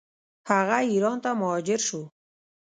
هغه ایران ته مهاجر شو.